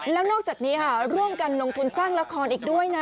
แล้วนอกจากนี้ค่ะร่วมกันลงทุนสร้างละครอีกด้วยนะ